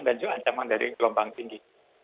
dan juga ancaman dari gelombang tinggi